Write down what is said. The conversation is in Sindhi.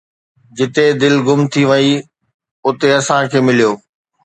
جتي دل گم ٿي وئي، اتي اسان کي مليو